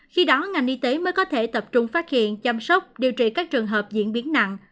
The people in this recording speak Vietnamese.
khi đó ngành y tế mới có thể tập trung phát hiện chăm sóc điều trị các trường hợp diễn biến nặng